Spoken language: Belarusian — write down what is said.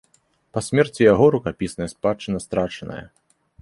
Па смерці яго рукапісная спадчына страчаная.